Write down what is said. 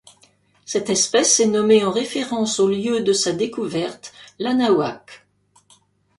Cette espèce est nommée en référence au lieu de sa découverte, l'Anahuac.